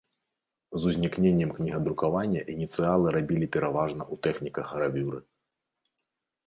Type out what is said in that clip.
З узнікненнем кнігадрукавання ініцыялы рабілі пераважна ў тэхніках гравюры.